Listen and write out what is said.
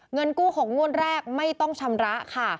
เงินกู้๖งวดแรกไม่ต้องชำระค่ะ